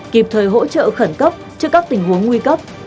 kịp thời hỗ trợ khẩn cấp trước các tình huống nguy cấp